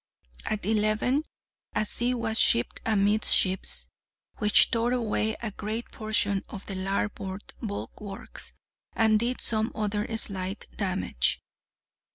At eleven, a sea was shipped amidships, which tore away a great portion of the larboard bulwarks, and did some other slight damage.